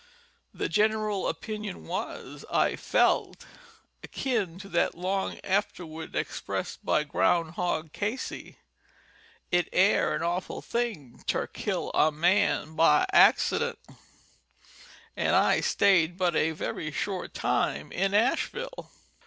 The general opinion was, I felt, akin to that long afterward expressed by Groundhog Cayce: "It air an awful thing ter kill a man by accident;" and I staid but a very short time in Asheville.